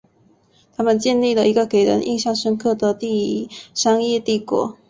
他们建立了一个给人印象深刻的商业帝国。